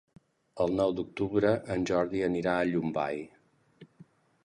El nou d'octubre en Jordi anirà a Llombai.